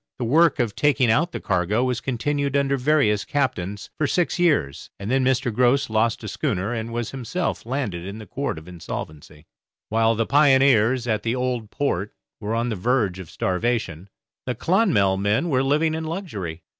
The work of taking out the cargo was continued under various captains for six years, and then Mr. Grose lost a schooner and was himself landed in the Court of Insolvency. While the pioneers at the Old Port were on the verge of starvation, the 'Clonmel' men were living in luxury.